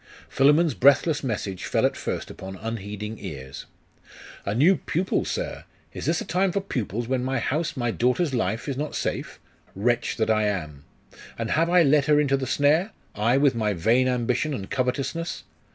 Philammon's breathless message fell at first upon unheeding ears. 'A new pupil, sir! Is this a time for pupils; when my house, my daughter's life, is not safe? Wretch that I am! And have I led her into the snare? I, with my vain ambition and covetousness!